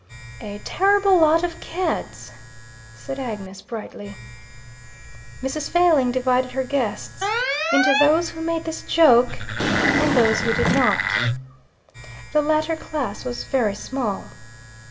"A terrible lot of Cads," said Agnes brightly. Mrs. Failing divided her guests into those who made this joke and those who did not. The latter class was very small.